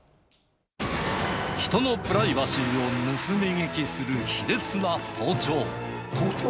人のプライバシーを盗み聞きする卑劣な盗聴。